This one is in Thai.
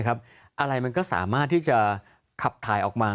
อะไรมันก็สามารถที่จะขับถ่ายออกมา